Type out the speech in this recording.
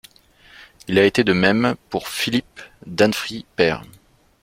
Il en a été de même pour Philippe Danfrie père.